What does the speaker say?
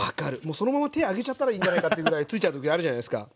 そのまま手揚げちゃったらいいんじゃないかというぐらいついちゃう時あるじゃないですか。